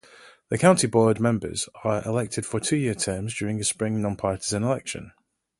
The County Board's members are elected for two-year terms during a spring non-partisan election.